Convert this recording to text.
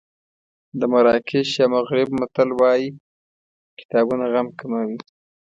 د مراکش یا مغرب متل وایي کتابونه غم کموي.